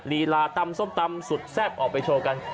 ลีลาตำส้มตำสุดแซ่บออกไปโชว์กัน